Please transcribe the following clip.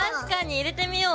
入れてみよう！